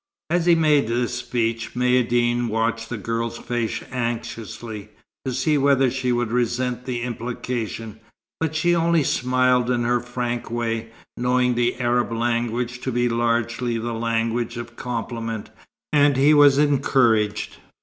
As he made this speech, Maïeddine watched the girl's face anxiously, to see whether she would resent the implication, but she only smiled in her frank way, knowing the Arab language to be largely the language of compliment; and he was encouraged.